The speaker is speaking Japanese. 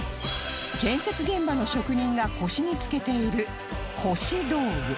建設現場の職人が腰に着けている腰道具